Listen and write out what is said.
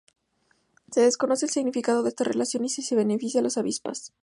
Se desconoce el significado de esta relación y si beneficia a las avispas.